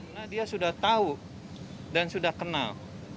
karena dia sudah tahu dan sudah kenal